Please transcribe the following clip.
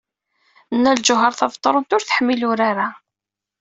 Nna Lǧuheṛ Tabetṛunt ur tettḥemmil urar-a.